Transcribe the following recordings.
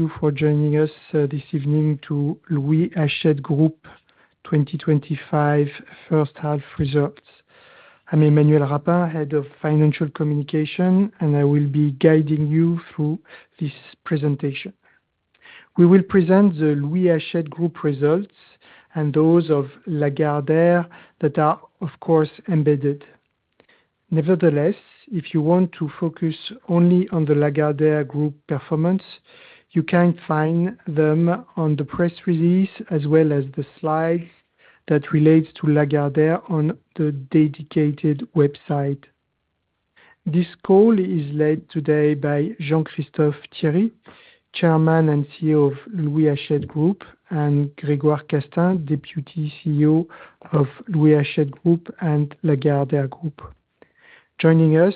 Thank you for joining us this evening to Louis Hachette Group 2025 First Half Results. I'm Emmanuel Rapin Head of Financial Communication, and I will be guiding you through this presentation. We will present the Louis Hachette Group results and those of Lagardère that are, of course, embedded. Nevertheless, if you want to focus only on the Lagardère Group performance, you can find them on the press release as well as the slides that relate to Lagardère on the dedicated website. This call is led today by Jean-Christophe Thiery, Chairman and CEO of Louis Hachette Group, and Grégoire Castaing, Deputy CEO of Louis Hachette Group and Lagardère Group. Joining us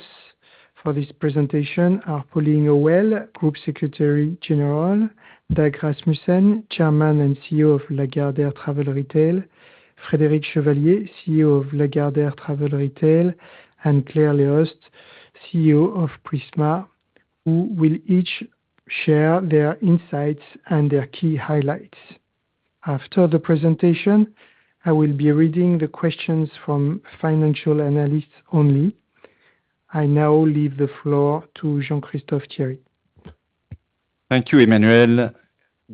for this presentation are Pauline Hauwel, Group Secretary General, Dag Rasmussen, Chairman and CEO of Lagardère Travel Retail, Frédéric Chevalier, CEO of Lagardère Travel Retail, and Claire Léost, CEO of Prisma, who will each share their insights and their key highlights. After the presentation, I will be reading the questions from financial analysts only. I now leave the floor to Jean-Christophe Thiery. Thank you, Emmanuel.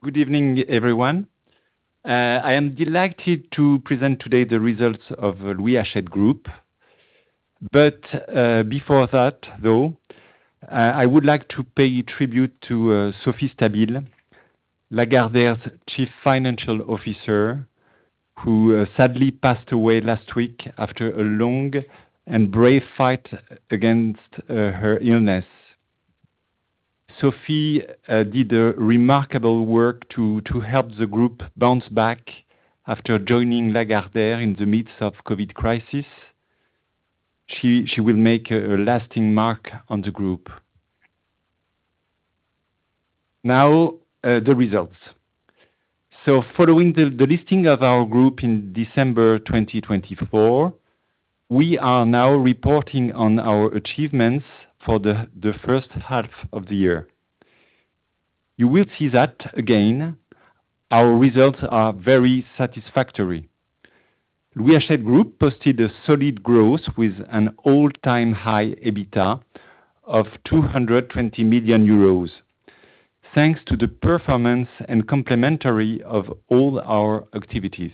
Good evening, everyone. I am delighted to present today the results of Louis Hachette Group. But before that, though, I would like to pay tribute to Sophie Stabile, Lagardère's CFO, who sadly passed away last week after a long and brave fight against her illness. Sophie did a remarkable work to help the group bounce back after joining Lagardère in the midst of the COVID crisis. She will make a lasting mark on the group. Now, the results. So, following the listing of our group in December 2024, we are now reporting on our achievements for the first half of the year. You will see that, again, our results are very satisfactory. Louis Hachette Group posted a solid growth with an all-time high EBITDA of 220 million euros, thanks to the performance and complementary of all our activities.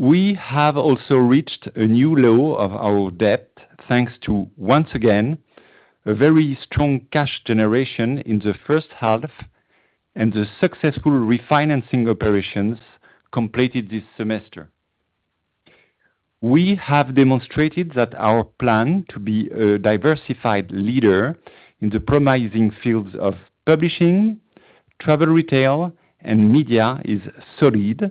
We have also reached a new low of our debt, thanks to, once again, a very strong cash generation in the first half and the successful refinancing operations completed this semester. We have demonstrated that our plan to be a diversified leader in the promising fields of publishing, travel retail, and media is solid,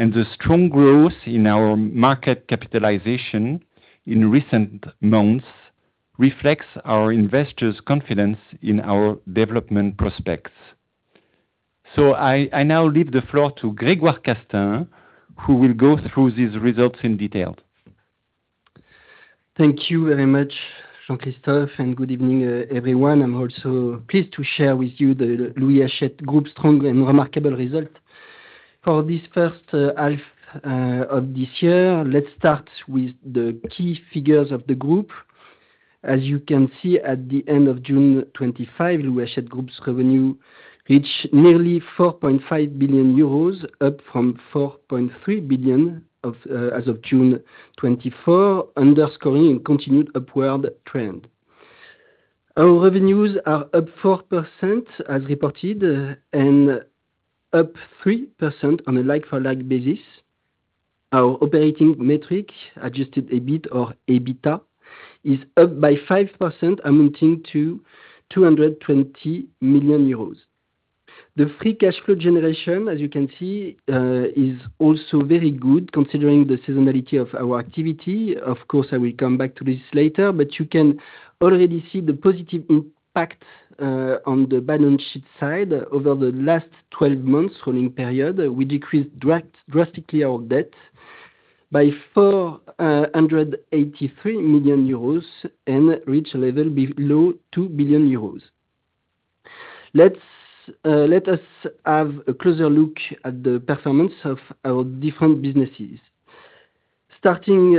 and the strong growth in our market capitalization in recent months reflects our investors' confidence in our development prospects. I now leave the floor to Grégoire Castaing, who will go through these results in detail. Thank you very much, Jean-Christophe, and good evening, everyone. I'm also pleased to share with you the Louis Hachette Group's strong and remarkable result. For this first half of this year, let's start with the key figures of the group. As you can see, at the end of June 2025, Louis Hachette Group's revenue reached nearly 4.5 billion euros, up from 4.3 billion as of June 2024, underscoring a continued upward trend. Our revenues are up 4%, as reported, and up 3% on a like-for-like basis. Our operating metric, adjusted EBIT or EBITA, is up by 5%, amounting to 220 million euros. The free cash flow generation, as you can see, is also very good, considering the seasonality of our activity. Of course, I will come back to this later, but you can already see the positive impact on the balance sheet side. Over the last 12 months' rolling period, we decreased drastically our debt by 483 million euros and reached a level below 2 billion euros. Let us have a closer look at the performance of our different businesses. Starting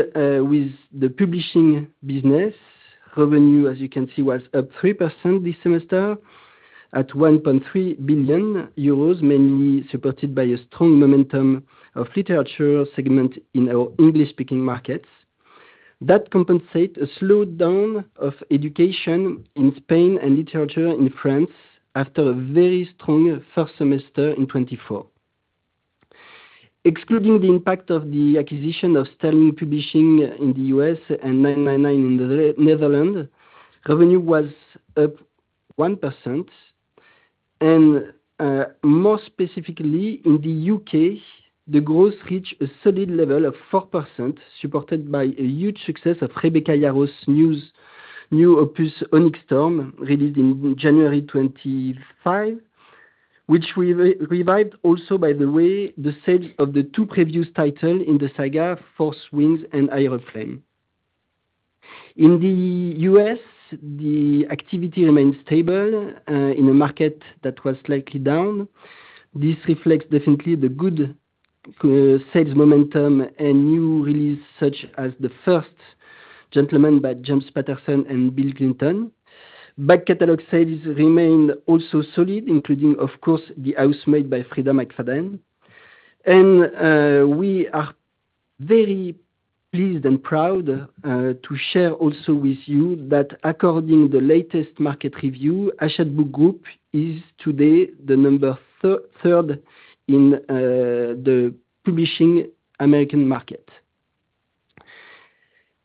with the publishing business, revenue, as you can see, was up 3% this semester at 1.3 billion euros, mainly supported by a strong momentum of literature segment in our English-speaking markets. That compensates a slowdown of education in Spain and literature in France after a very strong first semester in 2024. Excluding the impact of the acquisition of Sterling Publishing in the U.S. and 999 in the Netherlands, revenue was up 1%. More specifically, in the U.K., the growth reached a solid level of 4%, supported by a huge success of Rebecca Yarros's new opus, Onyx Storm, released in January 2025, which revived also, by the way, the sales of the two previous titles in the saga, Fourth Wing and Iron Flame. In the U.S., the activity remained stable in a market that was slightly down. This reflects definitely the good sales momentum and new releases, such as The First Gentleman by James Patterson and Bill Clinton. Back catalog sales remain also solid, including, of course, The Housemaid by Frieda McFadden. We are very pleased and proud to share also with you that, according to the latest market review, Hachette Group is today the number three in the publishing American market.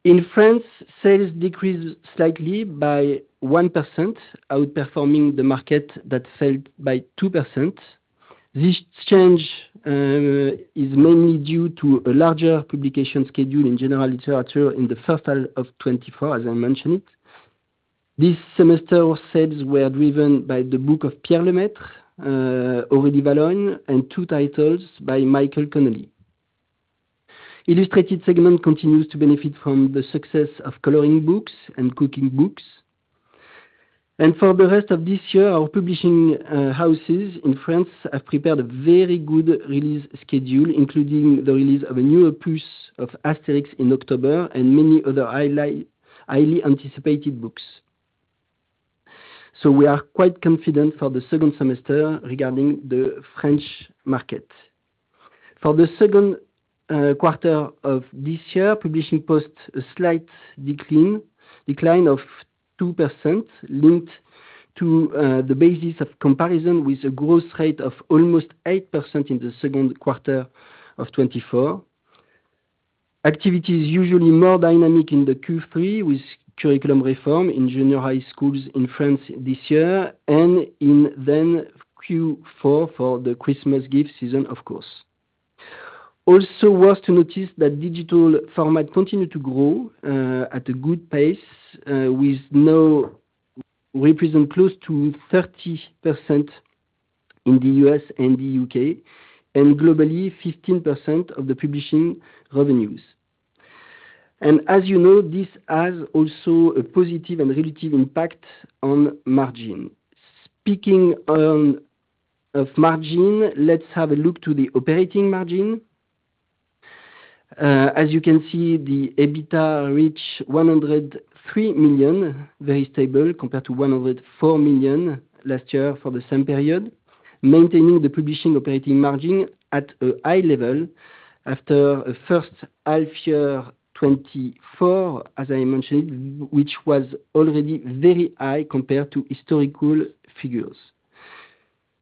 In France, sales decreased slightly by 1%, outperforming the market that fell by 2%. This change is mainly due to a larger publication schedule in general literature in the first half of 2024, as I mentioned. This semester, sales were driven by the book of Pierre Lemaitre, Aurélie Valognes, and two titles by Michael Connelly. Illustrated segment continues to benefit from the success of coloring books and cooking books, and for the rest of this year, our publishing houses in France have prepared a very good release schedule, including the release of a new opus of Astérix in October and many other highly anticipated books, so we are quite confident for the second semester regarding the French market. For the second quarter of this year, publishing posts a slight decline of 2%, linked to the basis of comparison with a growth rate of almost 8% in the second quarter of 2024. Activities usually more dynamic in the Q3 with curriculum reform in junior high schools in France this year and then in Q4 for the Christmas gift season, of course. Also worth noting that digital format continued to grow at a good pace, with now representing close to 30% in the U.S. and the U.K., and globally 15% of the publishing revenues. As you know, this has also a positive and relative impact on margin. Speaking of margin, let's have a look at the operating margin. As you can see, the EBITDA reached 103 million, very stable compared to 104 million last year for the same period, maintaining the publishing operating margin at a high level after the first half year 2024, as I mentioned, which was already very high compared to historical figures.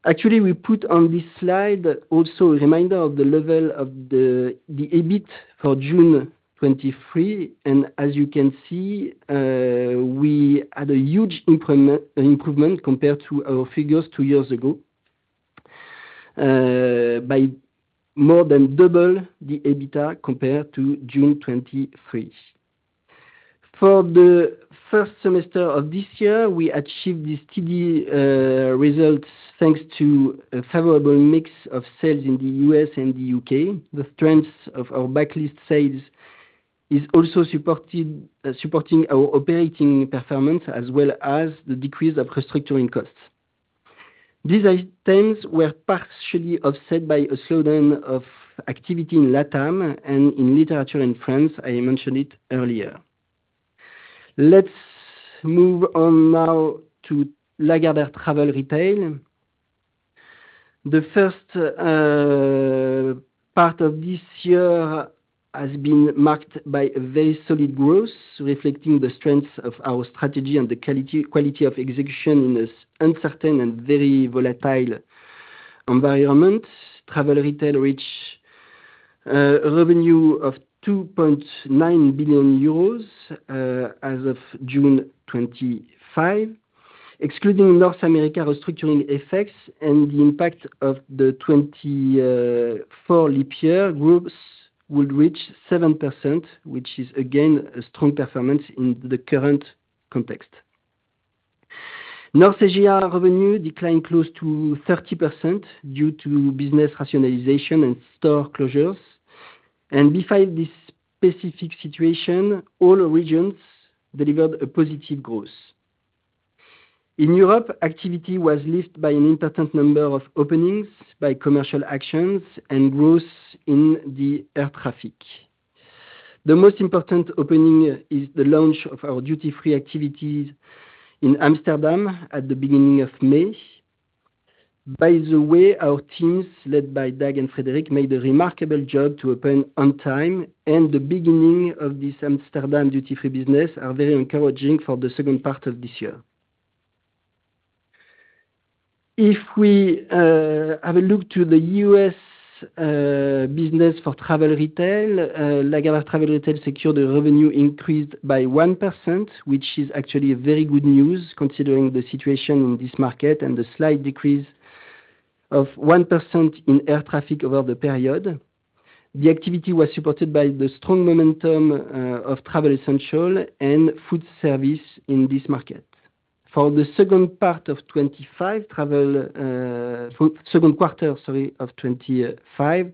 Actually, we put on this slide also a reminder of the level of the EBIT for June 2023. And as you can see, we had a huge improvement compared to our figures two years ago, by more than double the EBITDA compared to June 2023. For the first semester of this year, we achieved these TD results thanks to a favorable mix of sales in the U.S. and the U.K. The strength of our backlist sales is also supporting our operating performance, as well as the decrease of restructuring costs. These items were partially offset by a slowdown of activity in LATAM and in literature in France. I mentioned it earlier. Let's move on now to Lagardère Travel Retail. The first part of this year has been marked by a very solid growth, reflecting the strength of our strategy and the quality of execution in this uncertain and very volatile environment. Travel retail reached a revenue of 2.9 billion euros as of June 2025. Excluding North America restructuring effects and the impact of the 2024 Vivendi Group, growth would reach 7%, which is again a strong performance in the current context. North Asia revenue declined close to 30% due to business rationalization and store closures, and besides this specific situation, all regions delivered a positive growth. In Europe, activity was lifted by an important number of openings, by commercial actions, and growth in the air traffic. The most important opening is the launch of our duty-free activities in Amsterdam at the beginning of May. By the way, our teams, led by Dag Rasmussen and Frédéric Chevalier, made a remarkable job to open on time, and the beginning of this Amsterdam duty-free business is very encouraging for the second part of this year. If we have a look to the U.S. business for travel retail, Lagardère Travel Retail secured a revenue increase by 1%, which is actually very good news considering the situation in this market and the slight decrease of 1% in air traffic over the period. The activity was supported by the strong momentum of travel essentials and food service in this market. For the second part of 2025, travel second quarter, sorry, of 2025,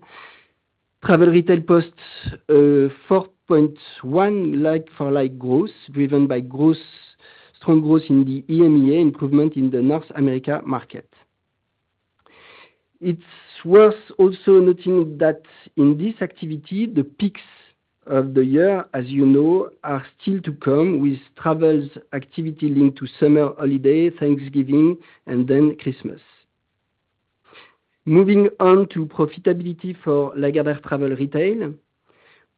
travel retail posts a 4.1 like-for-like growth, driven by strong growth in the EMEA, improvement in the North America market. It's worth also noting that in this activity, the peaks of the year, as you know, are still to come, with travel activity linked to summer holiday, Thanksgiving, and then Christmas. Moving on to profitability for Lagardère Travel Retail,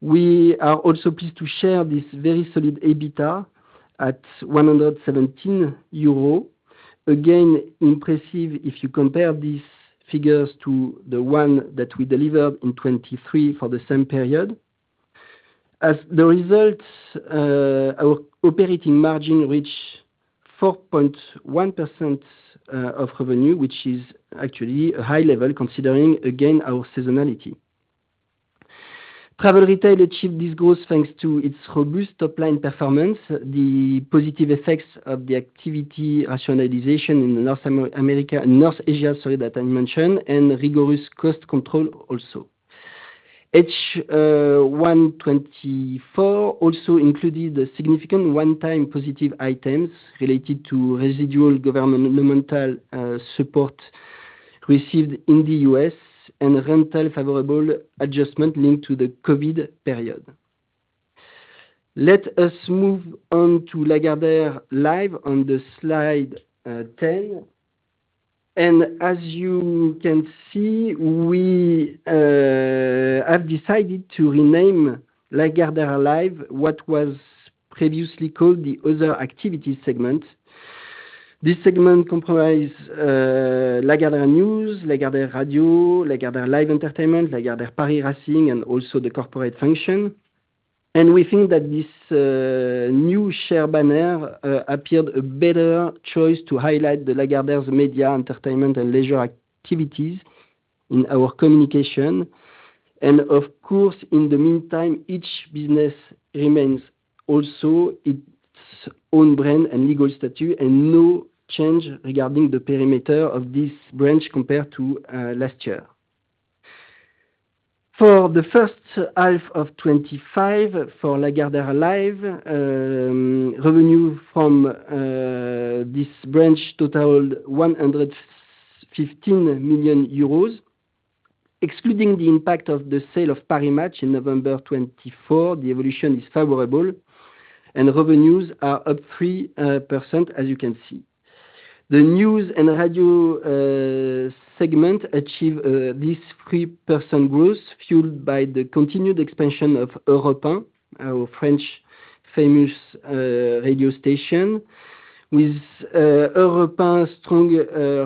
we are also pleased to share this very solid EBITDA at 117 euros, again impressive if you compare these figures to the one that we delivered in 2023 for the same period. As the result, our operating margin reached 4.1% of revenue, which is actually a high level considering, again, our seasonality. Travel retail achieved this growth thanks to its robust top-line performance, the positive effects of the activity rationalization in North Asia, sorry, that I mentioned, and rigorous cost control also. H1 2024 also included significant one-time positive items related to residual governmental support received in the U.S. and rental favorable adjustment linked to the COVID period. Let us move on to Lagardère Live on Slide 10. As you can see, we have decided to rename Lagardère Live what was previously called the other activity segment. This segment comprised Lagardère News, Lagardère Radio, Lagardère Live Entertainment, Lagardère Paris Racing, and also the corporate function. We think that this new segment banner appeared a better choice to highlight Lagardère's media, entertainment, and leisure activities in our communication. Of course, in the meantime, each business remains also its own brand and legal status and no change regarding the perimeter of this branch compared to last year. For the first half of 2025, for Lagardère Live, revenue from this branch totaled 115 million euros. Excluding the impact of the sale of Paris Match in November 2024, the evolution is favorable, and revenues are up 3%, as you can see. The news and radio segment achieved this 3% growth, fueled by the continued expansion of Europe 1, our famous French radio station, with Europe 1's strong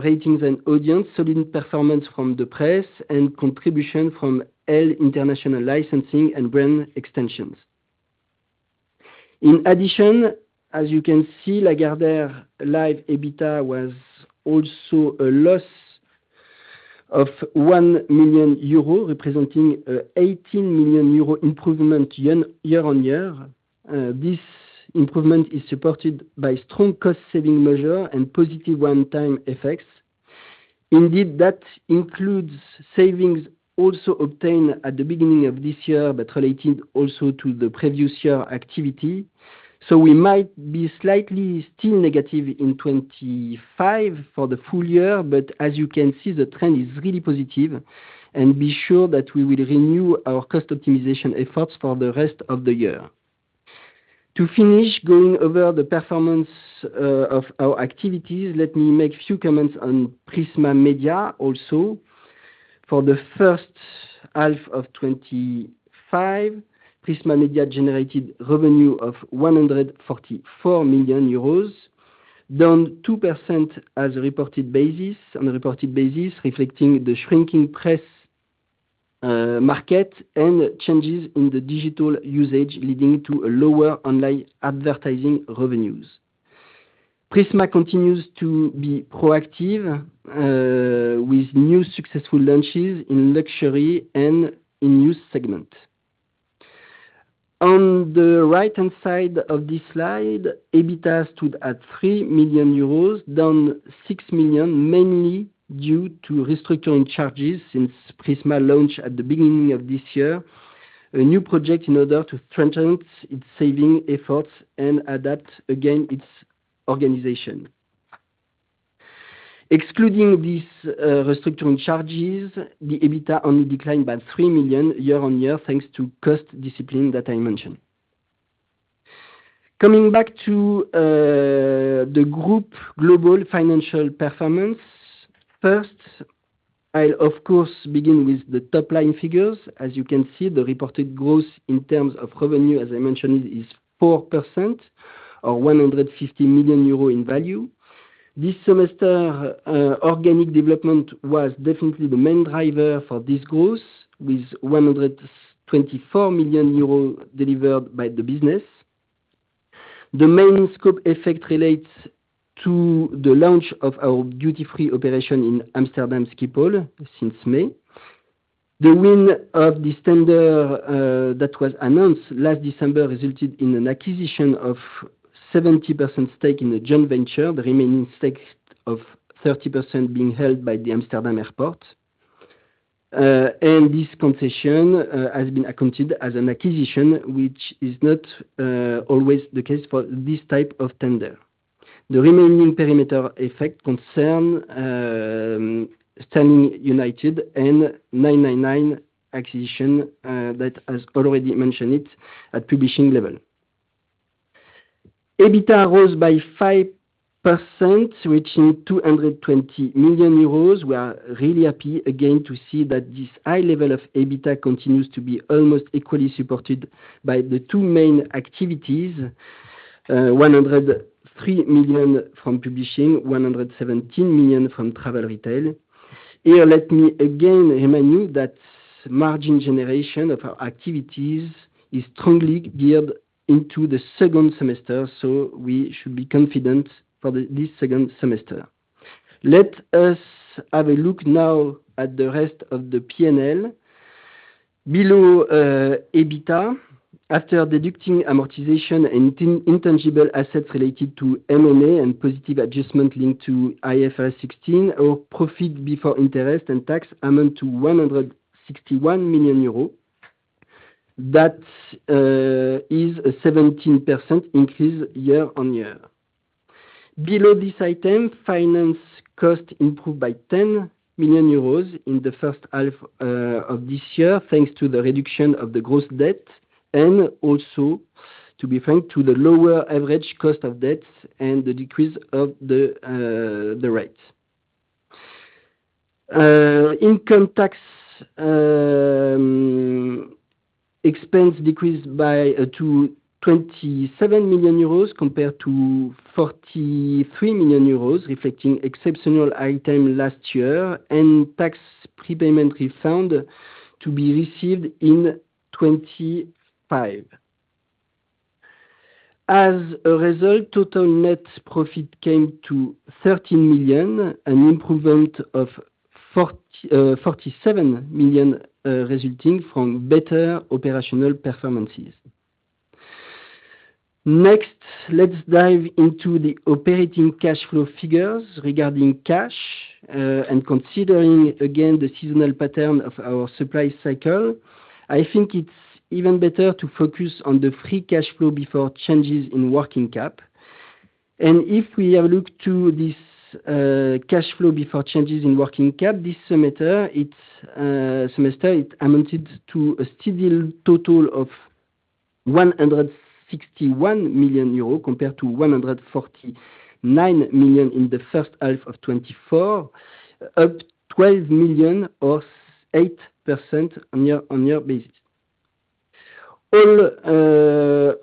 ratings and audience, solid performance from the press, and contribution from ELLE International Licensing and Brand Extensions. In addition, as you can see, Lagardère Live EBITDA was also a loss of 1 million euro, representing an 18 million euro improvement year-on-year. This improvement is supported by strong cost-saving measures and positive one-time effects. Indeed, that includes savings also obtained at the beginning of this year, but related also to the previous year activity. So we might be slightly still negative in 2025 for the full year, but as you can see, the trend is really positive, and be sure that we will renew our cost optimization efforts for the rest of the year. To finish, going over the performance of our activities, let me make a few comments on Prisma Media also. For the first half of 2025, Prisma Media generated revenue of 144 million euros, down 2% as a reported basis, on a reported basis, reflecting the shrinking press market and changes in the digital usage leading to lower online advertising revenues. Prisma continues to be proactive with new successful launches in luxury and in new segments. On the right-hand side of this slide, EBITDA stood at 3 million euros, down 6 million, mainly due to restructuring charges since Prisma launched at the beginning of this year, a new project in order to strengthen its saving efforts and adapt again its organization. Excluding these restructuring charges, the EBITDA only declined by 3 million year-on-year thanks to cost discipline that I mentioned. Coming back to the group global financial performance, first, I'll, of course, begin with the top-line figures. As you can see, the reported growth in terms of revenue, as I mentioned, is 4%, or 150 million euro in value. This semester, organic development was definitely the main driver for this growth, with 124 million euros delivered by the business. The main scope effect relates to the launch of our duty-free operation in Amsterdam Airport Schiphol since May. The win of the tender that was announced last December resulted in an acquisition of a 70% stake in a joint venture, the remaining stake of 30% being held by the Amsterdam Airport Schiphol. This concession has been accounted as an acquisition, which is not always the case for this type of tender. The remaining perimeter effect concerns Sterling and 999 acquisition that has already mentioned it at publishing level. EBITDA rose by 5%, reaching 220 million euros. We are really happy again to see that this high level of EBITDA continues to be almost equally supported by the two main activities: 103 million from publishing, 117 million from travel retail. Here, let me again remind you that margin generation of our activities is strongly geared into the second semester, so we should be confident for this second semester. Let us have a look now at the rest of the P&L. Below EBITDA, after deducting amortization and intangible assets related to M&A and positive adjustment linked to IFRS 16, our profit before interest and tax amount to 161 million euros. That is a 17% increase year-on-year. Below this item, finance cost improved by 10 million euros in the first half of this year thanks to the reduction of the gross debt and also to be frank to the lower average cost of debt and the decrease of the rate. Income tax expense decreased by 27 million euros compared to 43 million euros, reflecting exceptional high tax last year, and tax prepayment refund to be received in 2025. As a result, total net profit came to 13 million, an improvement of 47 million resulting from better operational performances. Next, let's dive into the operating cash flow figures regarding cash and considering again the seasonal pattern of our supply cycle. I think it's even better to focus on the free cash flow before changes in working cap. And if we have looked to this cash flow before changes in working cap, this semester, it amounted to a steady total of 161 million euro compared to 149 million in the first half of 2024, up 12 million or 8% on year-on-year basis. All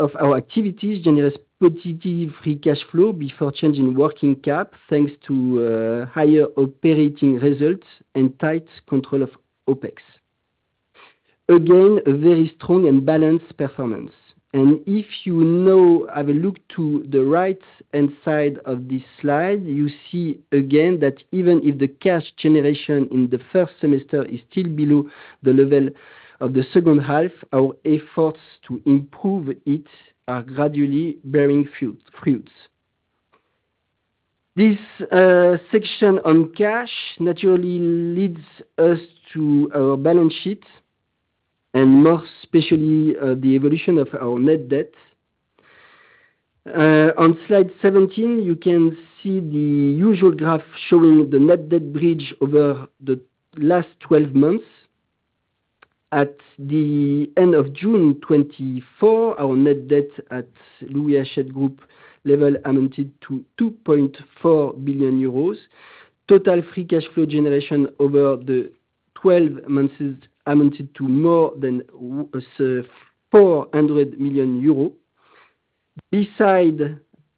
of our activities generate positive free cash flow before change in working cap thanks to higher operating results and tight control of OpEx. Again, a very strong and balanced performance. And if you now have a look to the right-hand side of this slide, you see again that even if the cash generation in the first semester is still below the level of the second half, our efforts to improve it are gradually bearing fruits. This section on cash naturally leads us to our balance sheet and more specially the evolution of our net debt. On Slide 17, you can see the usual graph showing the net debt bridge over the last 12 months. At the end of June 2024, our net debt at Louis Hachette Group level amounted to 2.4 billion euros. Total free cash flow generation over the 12 months amounted to more than 400 million euros. Besides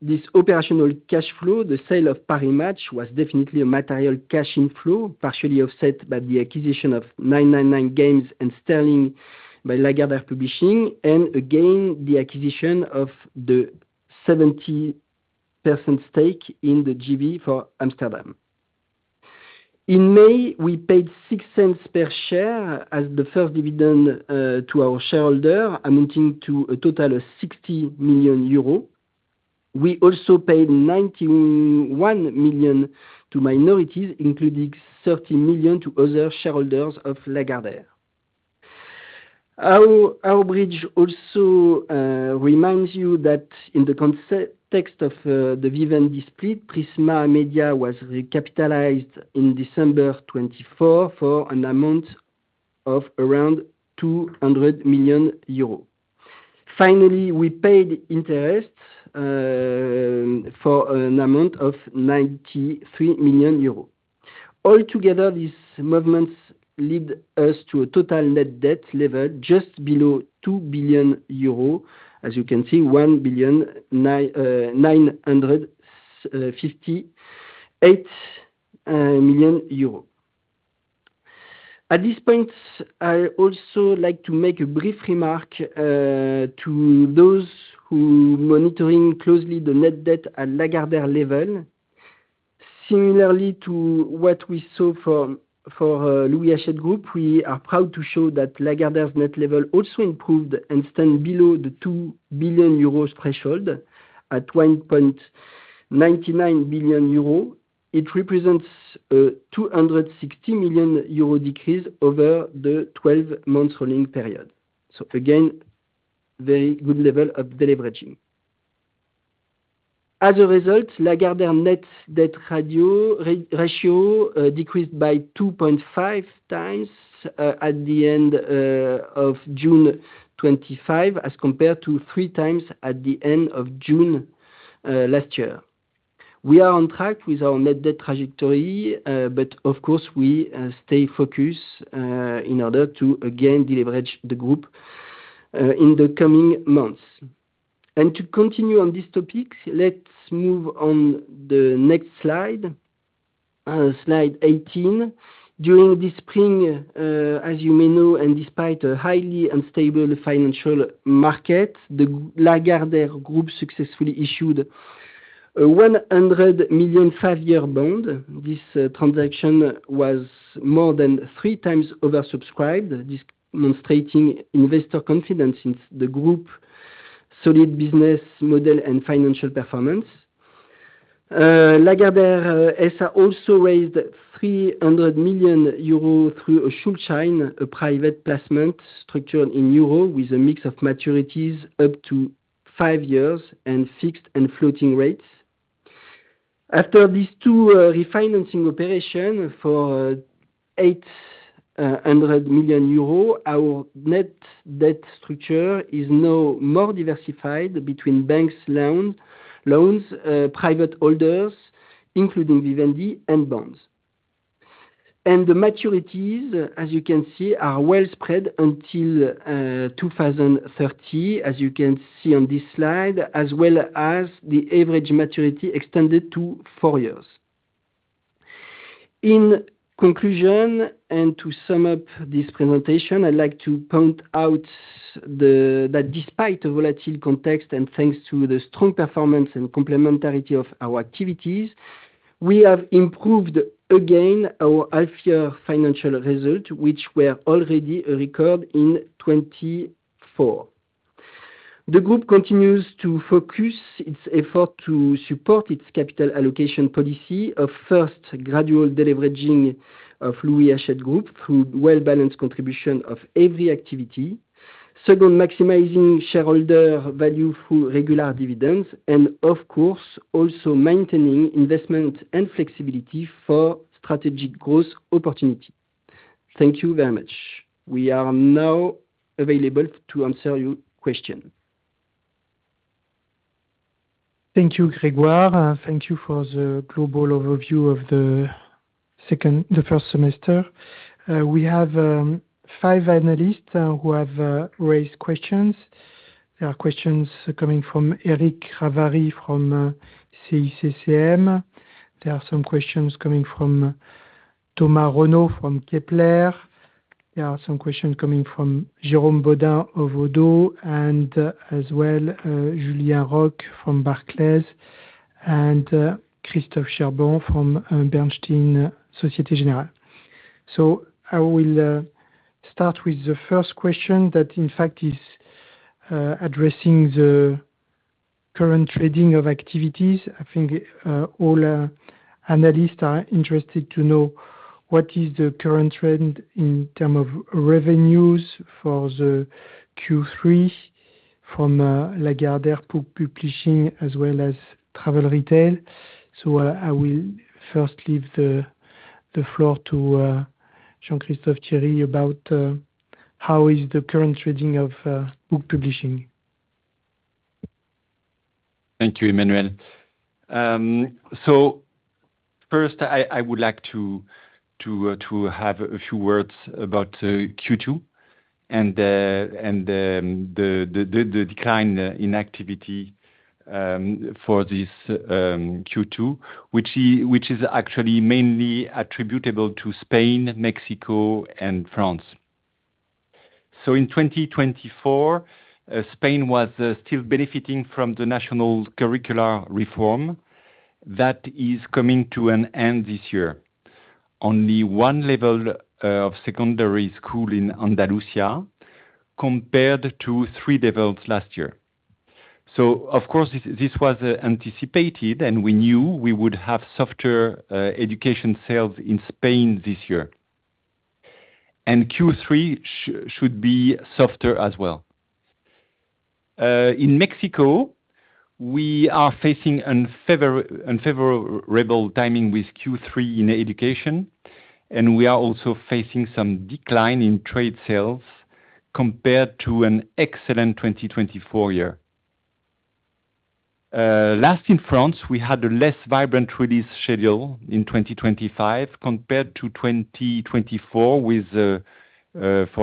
this operational cash flow, the sale of Paris Match was definitely a material cash inflow, partially offset by the acquisition of 999 Games and Sterling by Lagardère Publishing, and again the acquisition of the 70% stake in the JV for Amsterdam. In May, we paid 0.06 per share as the first dividend to our shareholder, amounting to a total of 60 million euro. We also paid 91 million to minorities, including 30 million to other shareholders of Lagardère. Our bridge also reminds you that in the context of the Vivendi split, Prisma Media was recapitalized in December 2024 for an amount of around 200 million euros. Finally, we paid interest for an amount of 93 million euros. Altogether, these movements lead us to a total net debt level just below 2 billion euros, as you can see, 1,958 million euros. At this point, I also like to make a brief remark to those who are monitoring closely the net debt at Lagardère level. Similarly to what we saw for Louis Hachette Group, we are proud to show that Lagardère's net level also improved and stands below the 2 billion euros threshold at 1.99 billion euro. It represents a 260 million euro decrease over the 12-month rolling period. So again, very good level of deleveraging. As a result, Lagardère net debt ratio decreased by 2.5 times at the end of June 2025 as compared to three times at the end of June last year. We are on track with our net debt trajectory, but of course, we stay focused in order to again deleverage the group in the coming months. To continue on this topic, let's move on to the next slide, Slide 18. During this spring, as you may know, and despite a highly unstable financial market, the Lagardère Group successfully issued a 100 million five-year bond. This transaction was more than three times oversubscribed, demonstrating investor confidence in the group's solid business model and financial performance. Lagardère has also raised 300 million euros through a Schuldschein, a private placement structured in euro with a mix of maturities up to five years and fixed and floating rates. After these two refinancing operations for EUR 800 million, our net debt structure is now more diversified between banks' loans, private holders, including Vivendi, and bonds. And the maturities, as you can see, are well spread until 2030, as you can see on this slide, as well as the average maturity extended to four years. In conclusion, and to sum up this presentation, I'd like to point out that despite a volatile context and thanks to the strong performance and complementarity of our activities, we have improved again our half-year financial result, which were already a record in 2024. The group continues to focus its effort to support its capital allocation policy of first, gradual deleveraging of Louis Hachette Group through well-balanced contribution of every activity. Second, maximizing shareholder value through regular dividends. And of course, also maintaining investment and flexibility for strategic growth opportunity. Thank you very much. We are now available to answer your questions. Thank you, Grégoire. Thank you for the global overview of the first semester. We have five analysts who have raised questions. There are questions coming from Éric Ravary from CIC Market Solutions. There are some questions coming from Thomas Renaud from Kepler Cheuvreux. There are some questions coming from Jérôme Bodin of Oddo BHF and as well Julien Roch from Barclays and Christophe Cherblanc from Bernstein Société Générale. So I will start with the first question that in fact is addressing the current trading of activities. I think all analysts are interested to know what is the current trend in terms of revenues for the Q3 from Lagardère Book Publishing as well as travel retail. So I will first leave the floor to Jean-Christophe Thiery about how is the current trading of book publishing. Thank you, Emmanuel. First, I would like to have a few words about Q2 and the decline in activity for this Q2, which is actually mainly attributable to Spain, Mexico, and France. In 2024, Spain was still benefiting from the national curricular reform that is coming to an end this year. Only one level of secondary school in Andalusia compared to three levels last year. Of course, this was anticipated and we knew we would have softer education sales in Spain this year. Q3 should be softer as well. In Mexico, we are facing unfavorable timing with Q3 in education, and we are also facing some decline in trade sales compared to an excellent 2024 year. Lastly in France, we had a less vibrant release schedule in 2025 compared to 2024 with, for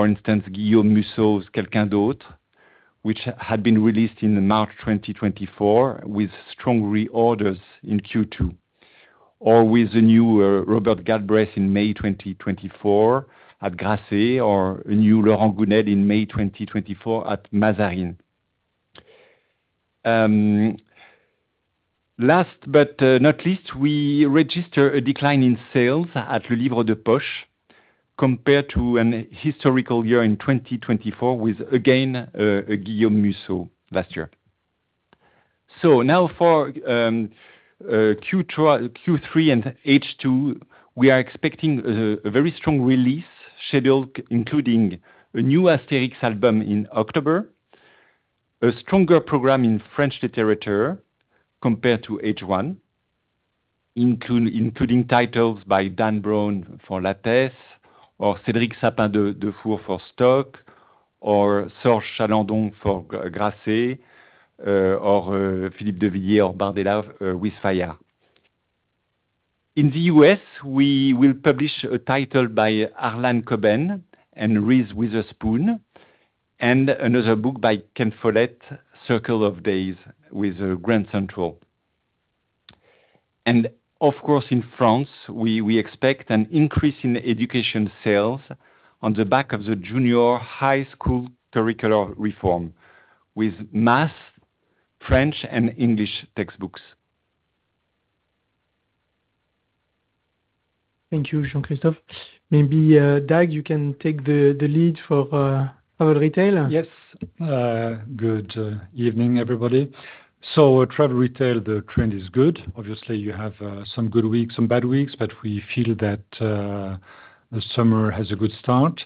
instance, Guillaume Musso's Quelqu'un d'autre, which had been released in March 2024 with strong reorders in Q2, or with a new Robert Galbraith in May 2024 at Grasset or a new Laurent Gounelle in May 2024 at Mazarine. Last but not least, we register a decline in sales at Le Livre de Poche compared to a historical year in 2024 with, again, Guillaume Musso last year. Now for Q3 and H2, we are expecting a very strong release schedule, including a new Astérix album in October, a stronger program in French literature compared to H1, including titles by Dan Brown for Lattès, or Cédric Sapin-Defour for Stock, or Sorj Chalandon for Grasset, or Philippe de Villiers or Bardella with Fayard. In the U.S., we will publish a title by Harlan Coben and Reese Witherspoon, and another book by Ken Follett, Circle of Days with Grand Central. And of course, in France, we expect an increase in education sales on the back of the junior high school curricular reform with Math French and English textbooks. Thank you, Jean-Christophe. Maybe Dag, you can take the lead for travel retail. Yes. Good evening, everybody. So travel retail, the trend is good. Obviously, you have some good weeks, some bad weeks, but we feel that the summer has a good start.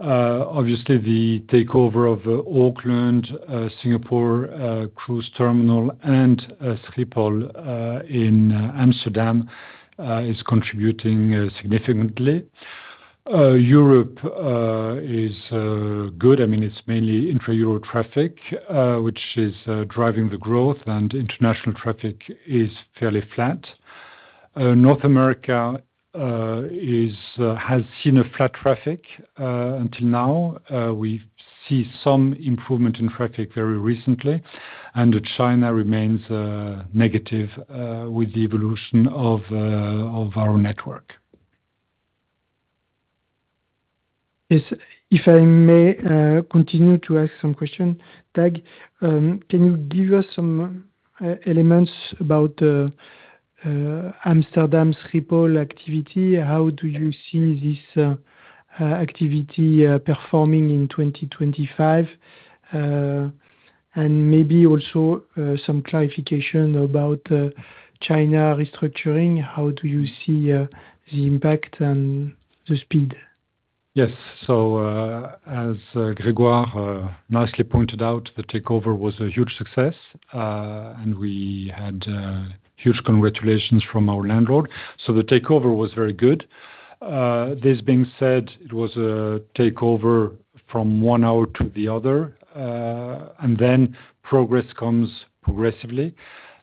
Obviously, the takeover of Auckland, Singapore cruise terminal, and Schiphol in Amsterdam is contributing significantly. Europe is good. I mean, it's mainly intra-European traffic, which is driving the growth, and international traffic is fairly flat. North America has seen a flat traffic until now. We see some improvement in traffic very recently, and China remains negative with the evolution of our network. If I may continue to ask some questions, Dag, can you give us some elements about Amsterdam-Schiphol activity? How do you see this activity performing in 2025? And maybe also some clarification about China restructuring. How do you see the impact and the speed? Yes. So as Grégoire nicely pointed out, the takeover was a huge success, and we had huge congratulations from our landlord. So the takeover was very good. This being said, it was a takeover from one hour to the other, and then progress comes progressively.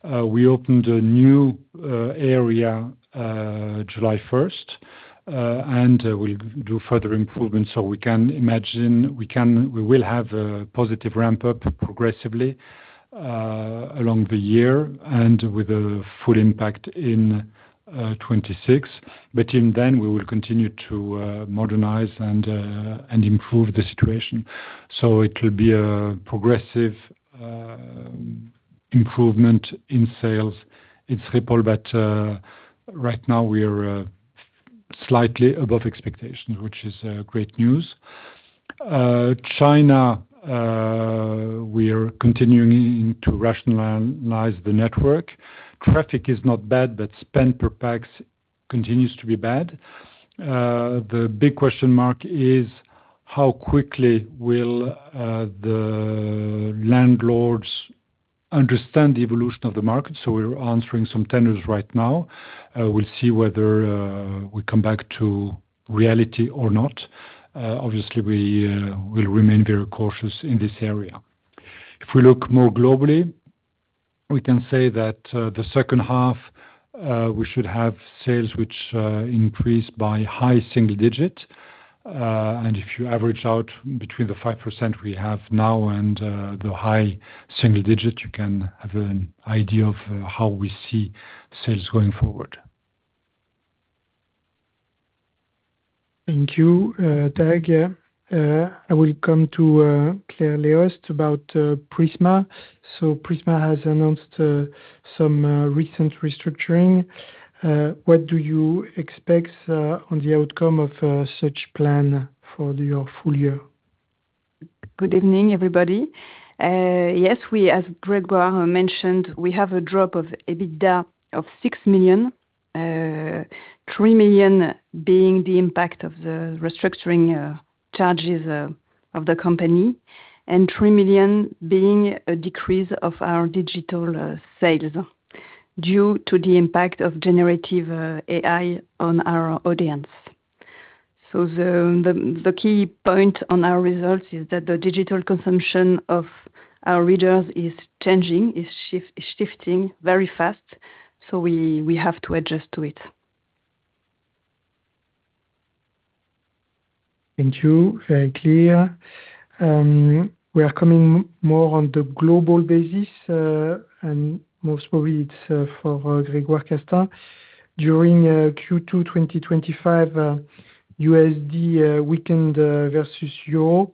We opened a new area July 1st, and we'll do further improvements. So we can imagine we will have a positive ramp-up progressively along the year and with a full impact in 2026. But even then, we will continue to modernize and improve the situation. So it will be a progressive improvement in sales. It's Schiphol, but right now we are slightly above expectations, which is great news. China, we are continuing to rationalize the network. Traffic is not bad, but spend per pax continues to be bad. The big question mark is how quickly will the landlords understand the evolution of the market? So we're answering some tenders right now. We'll see whether we come back to reality or not. Obviously, we will remain very cautious in this area. If we look more globally, we can say that the second half, we should have sales which increased by high single digits. And if you average out between the 5% we have now and the high single digits, you can have an idea of how we see sales going forward. Thank you, Dag. I will come to Claire Léost about Prisma. So Prisma has announced some recent restructuring. What do you expect on the outcome of such a plan for your full year? Good evening, everybody. Yes, as Grégoire mentioned, we have a drop of EBITDA of 6 million, EUR 3 million being the impact of the restructuring charges of the company, and 3 million being a decrease of our digital sales due to the impact of generative AI on our audience. So the key point on our results is that the digital consumption of our readers is changing, is shifting very fast. So we have to adjust to it. Thank you. Very clear. We are coming more on the global basis, and most probably it's for Grégoire Castaing. During Q2 2025, USD weakened versus euro.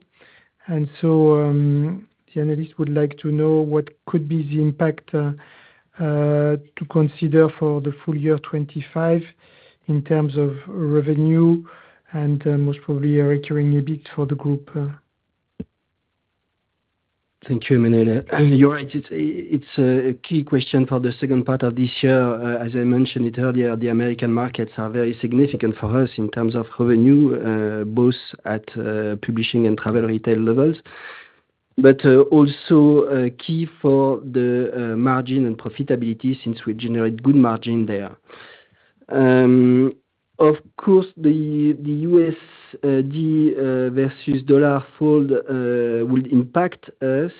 The analysts would like to know what could be the impact to consider for the full year 2025 in terms of revenue and most probably a recurring EBIT for the group. Thank you, Emmanuel. You're right. It's a key question for the second part of this year. As I mentioned it earlier, the American markets are very significant for us in terms of revenue, both at publishing and travel retail levels, but also key for the margin and profitability since we generate good margin there. Of course, the USD versus euro will impact us.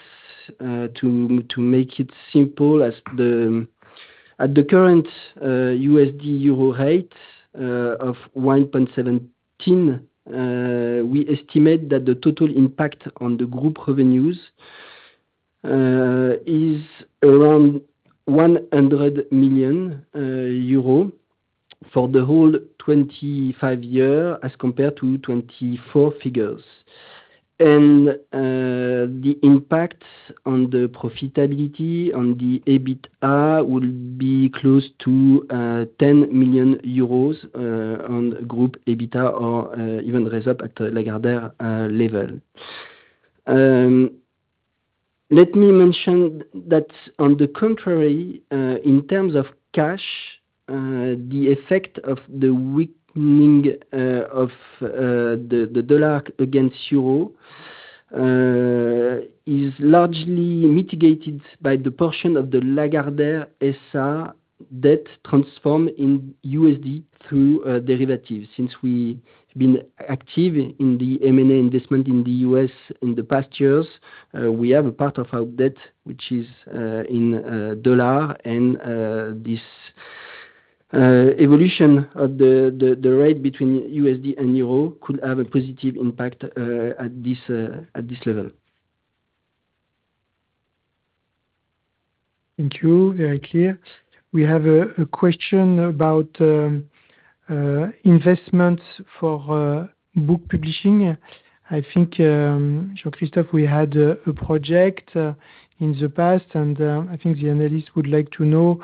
To make it simple, at the current USD-euro rate of 1.17, we estimate that the total impact on the group revenues is around 100 million euro for the whole 2025 as compared to 2024 figures. And the impact on the profitability on the EBITDA will be close to 10 million euros on group EBITDA or even rise up at the Lagardère level. Let me mention that on the contrary, in terms of cash, the effect of the weakening of the dollar against euro is largely mitigated by the portion of the Lagardère SA debt transformed in USD through derivatives. Since we've been active in the M&A investment in the U.S. in the past years, we have a part of our debt which is in dollar, and this evolution of the rate between USD and euro could have a positive impact at this level. Thank you. Very clear. We have a question about investments for book publishing. I think, Jean-Christophe, we had a project in the past, and I think the analyst would like to know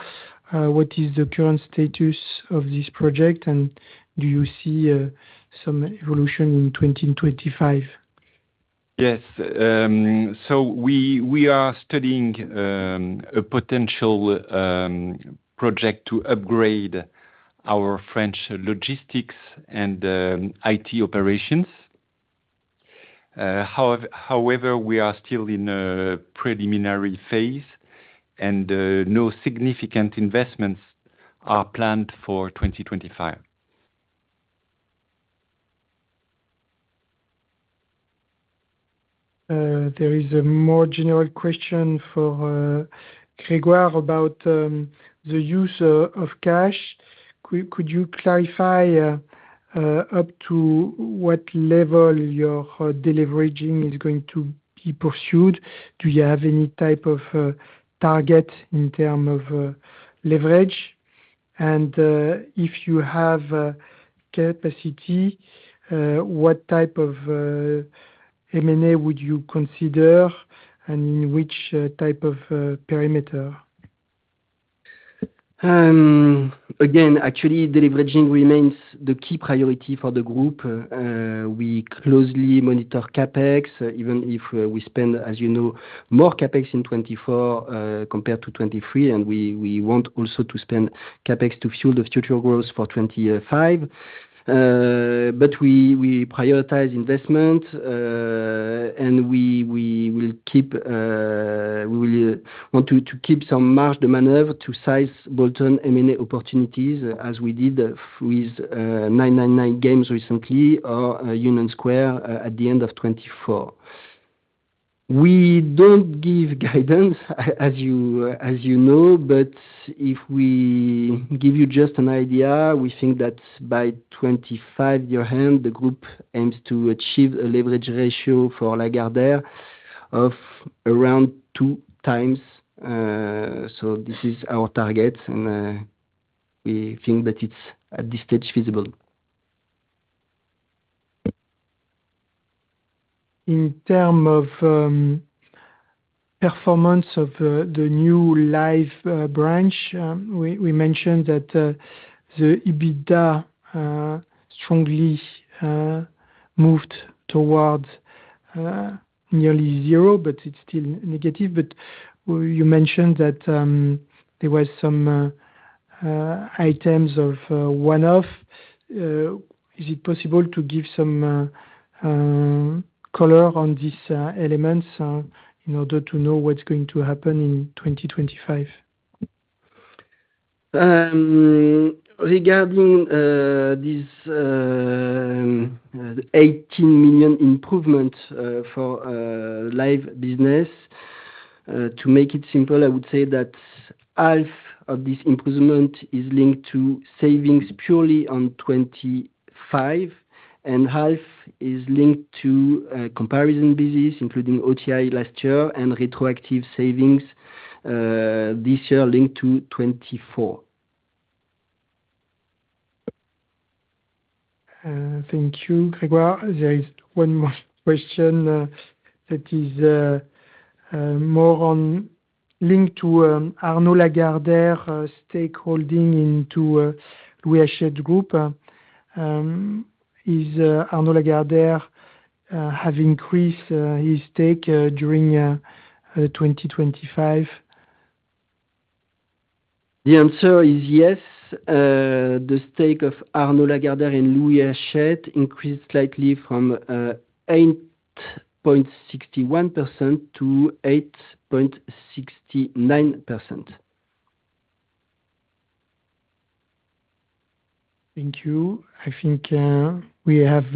what is the current status of this project, and do you see some evolution in 2025? Yes. So we are studying a potential project to upgrade our French logistics and IT operations. However, we are still in a preliminary phase, and no significant investments are planned for 2025. There is a more general question for Grégoire about the use of cash. Could you clarify up to what level your delivery is going to be pursued? Do you have any type of target in terms of leverage? And if you have capacity, what type of M&A would you consider and in which type of perimeter? Again, actually, delivery remains the key priority for the group. We closely monitor CapEx, even if we spend, as you know, more CapEx in 2024 compared to 2023, and we want also to spend CapEx to fuel the future growth for 2025. But we prioritize investment, and we will keep, we will want to keep some margin of maneuver to seize bold M&A opportunities as we did with 999 Games recently or Union Square at the end of 2024. We don't give guidance, as you know, but if we give you just an idea, we think that by 2025, the group aims to achieve a leverage ratio for Lagardère of around two times. So this is our target, and we think that it's at this stage feasible. In terms of performance of the new live branch, we mentioned that the EBITDA strongly moved towards nearly zero, but it's still negative. But you mentioned that there were some one-off items. Is it possible to give some color on these elements in order to know what's going to happen in 2025? Regarding this EUR 18 million improvement for live business, to make it simple, I would say that half of this improvement is linked to savings purely on 2025, and half is linked to comparison business, including OTI last year and retroactive savings this year linked to 2024. Thank you, Grégoire. There is one more question that is more linked to Arnaud Lagardère's stakeholding into Louis Hachette Group. Is Arnaud Lagardère having increased his stake during 2025? The answer is yes. The stake of Arnaud Lagardère and Louis Hachette increased slightly from 8.61% to 8.69%. Thank you. I think we have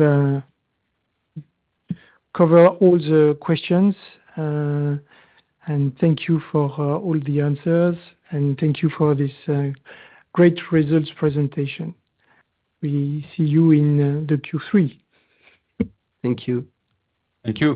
covered all the questions, and thank you for all the answers, and thank you for this great results presentation. We see you in the Q3. Thank you. Thank you.